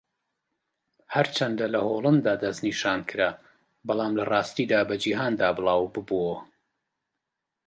ھەرچەندە لە ھۆلەندا دەستنیشانکرا بەڵام لەڕاستیدا بە جیھاندا بڵاوببۆوە.